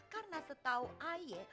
karena setahu ayah